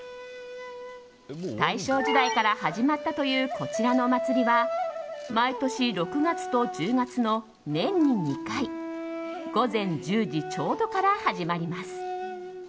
大正時代から始まったというこちらのお祭りには毎年６月と１０月の年に２回午前１０時ちょうどから始まります。